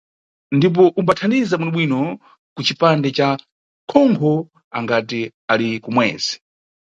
Ndipo umbathandiza bwinobwino kucipande ca khonkho angati ali kumwezi.